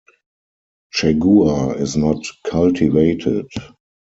Chaguar is not cultivated.